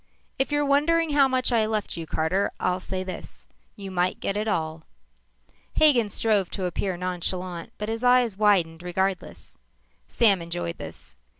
"If you're wondering how much I left you, Carter, I'll say this: You might get it all." Hagen strove to appear nonchalant but his eyes widened regardless. Sam enjoyed this.